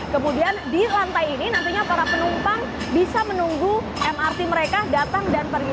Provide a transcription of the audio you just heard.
kemudian di lantai ini nantinya para penumpang bisa menunggu mrt mereka datang dan pergi